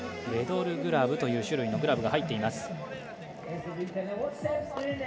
ウェドルグラブという種類のグラブが入っています。